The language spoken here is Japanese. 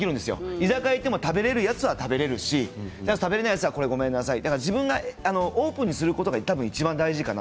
居酒屋に行っても食べれるやつは食べれるし食べれないやつはごめんなさい自分をオープンにすることがいちばん大事かな。